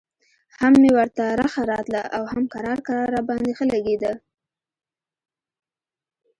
هم مې ورته رخه راتله او هم کرار کرار راباندې ښه لګېده.